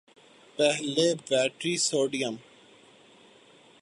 پہلے battery sodium